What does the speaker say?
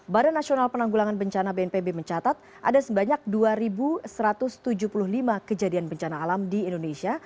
badan nasional penanggulangan bencana bnpb mencatat ada sebanyak dua satu ratus tujuh puluh lima kejadian bencana alam di indonesia